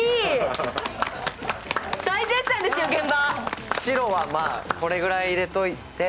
大絶賛ですよ、現場。